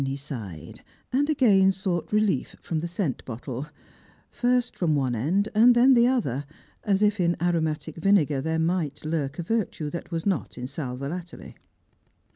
nix sighed, and again sought relief from_ the Bcent bottle, .st from one end and then the other, as if in aromatic vinegar tiiere might lurk a virtue that was not in sal volatile 3(52 Siranfjers and Tilgrima.